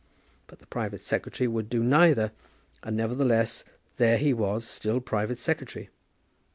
But the private secretary would do neither; and, nevertheless, there he was, still private secretary.